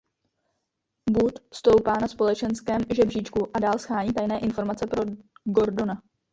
Bud stoupá na společenském žebříčku a dál shání tajné informace pro Gordona.